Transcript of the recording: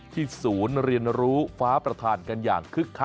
ศูนย์เรียนรู้ฟ้าประธานกันอย่างคึกคัก